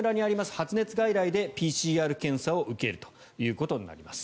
発熱外来でＰＣＲ検査を受けるということになります。